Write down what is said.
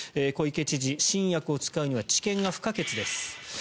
小池知事新薬を使うには治験が不可欠です。